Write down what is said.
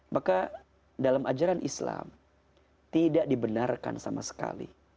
maka dalam ajaran islam tidak dibenarkan sama sekali